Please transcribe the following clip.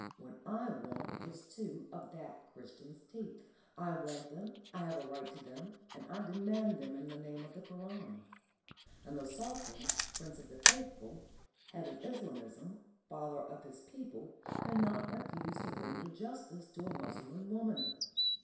What I want is two of that Christian's teeth. I want them, I have a right to them, and I demand them in the name of the Koran; and the Sultan, Prince of the Faithful, head of Islamism, father of his people, cannot refuse to render justice to a Mussulman woman."